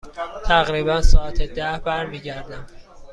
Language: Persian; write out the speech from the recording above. تقریبا ساعت ده برمی گردم.